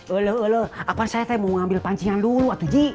eluh eluh aku aja mau ambil pancingan dulu haji